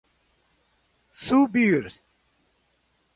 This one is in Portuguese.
subir